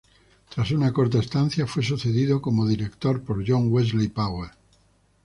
Tras una corta estancia, fue sucedido como director por John Wesley Powell.